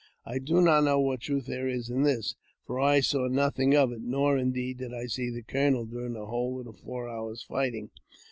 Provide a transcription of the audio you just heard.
I do not know what truth there was in this, for I saw nothing of it, nor, indeed, did I see the colonel during the whole of the four hours' fighting.